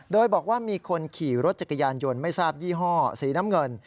โดยบอกว่ามีคนขี่รถจักรยานยนต์ไม่ทราบยี่ห้อสีน้ำเงิน